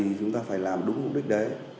thì chúng ta phải làm đúng mục đích đấy